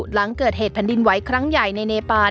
หลังเกิดเหตุแผ่นดินไหวครั้งใหญ่ในเนปาน